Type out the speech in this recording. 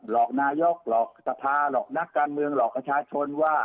อกนายกหลอกสภาหลอกนักการเมืองหลอกประชาชนว่า